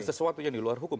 sesuatu yang di luar hukum